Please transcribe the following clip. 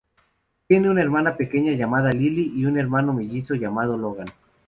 Tiene una hermana pequeña llamada Lilly y un hermano mellizo llamado Logan.